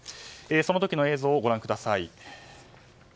その時の映像、ご覧ください。